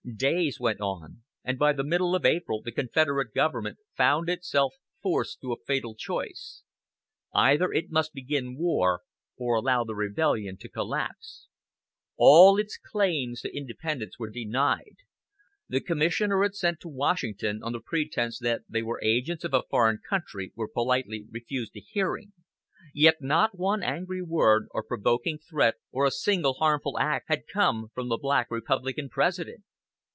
Days went on, and by the middle of April the Confederate government found itself forced to a fatal choice. Either it must begin war, or allow the rebellion to collapse. All its claims to independence were denied; the commissioner it sent to Washington on the pretense that they were agents of a foreign country were politely refused a hearing, yet not one angry word, or provoking threat, or a single harmful act had come from the "Black Republican" President.